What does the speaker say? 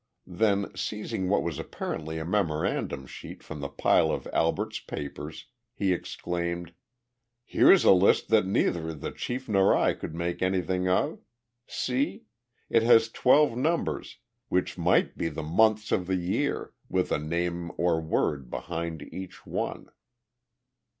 Then, seizing what was apparently a memorandum sheet from the pile of Albert's papers, he exclaimed: "Here's a list that neither the chief nor I could make anything of. See? It has twelve numbers, which might be the months of the year, with a name or word behind each one!"